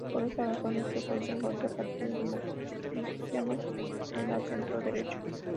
Por esa razón es frecuente encontrar partidos democristianos en la centro-derecha.